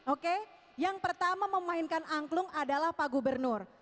oke yang pertama memainkan angklung adalah pak gubernur